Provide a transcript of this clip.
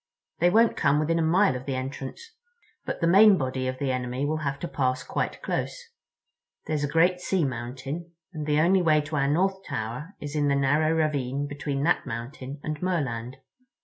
They won't come within a mile of the entrance. But the main body of the enemy will have to pass quite close. There's a great sea mountain, and the only way to our North Tower is in the narrow ravine between that mountain and Merland."